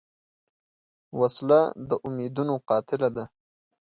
وسله د امیدونو قاتله ده